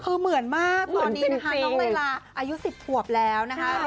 คือเหมือนมากตอนนี้นะคะน้องไลลาอายุ๑๐ขวบแล้วนะคะ